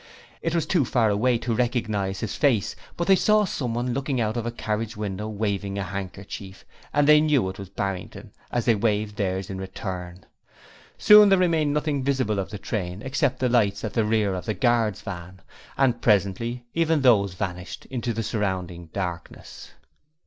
It was too far away to recognize his face, but they saw someone looking out of a carriage window waving a handkerchief, and they knew it was Barrington as they waved theirs in return. Soon there remained nothing visible of the train except the lights at the rear of the guard's van, and presently even those vanished into the surrounding darkness.